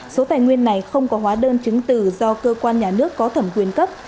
số tài nguyên này không có hóa đơn chứng từ do cơ quan nhà nước có thẩm quyền cấp